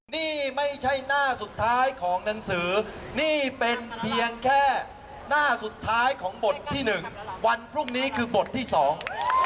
นี่คือบทที่สอง